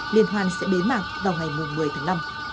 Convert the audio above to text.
liên hoan sẽ bế mạc vào ngày một mươi tháng năm